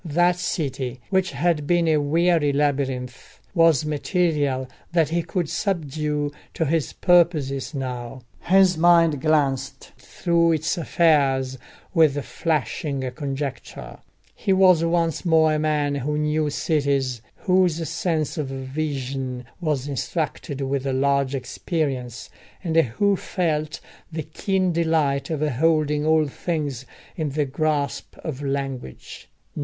That city, which had been a weary labyrinth, was material that he could subdue to his purposes now: his mind glanced through its affairs with flashing conjecture; he was once more a man who knew cities, whose sense of vision was instructed with large experience, and who felt the keen delight of holding all things in the grasp of language.